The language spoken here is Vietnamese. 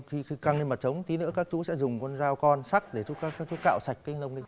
khi càng lên mặt trống tí nữa các chú sẽ dùng con dao con sắc để các chú cạo sạch cái nông đi